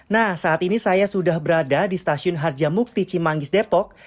nah saat ini saya sudah berada di stasiun harjamukti cimanggis depok